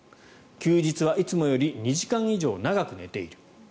休日はいつもより２時間以上長く寝ている。